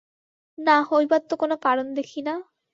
না হইবার তো কোনো কারণ দেখি না।